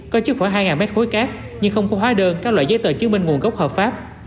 có chứa khoảng hai mét khối cát nhưng không có hóa đơn các loại giấy tờ chứng minh nguồn gốc hợp pháp